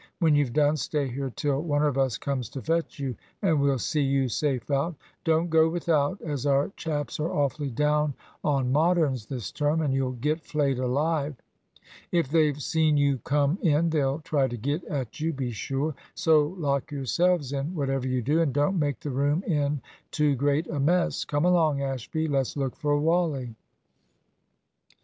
When you've done, stay here till one of us comes to fetch you, and we'll see you safe out. Don't go without, as our chaps are awfully down on Moderns this term, and you'll get flayed alive. If they've seen you come in, they'll try to get at you, be sure; so lock yourselves in, whatever you do, and don't make the room in too great a mess. Come along, Ashby; let's look for Wally."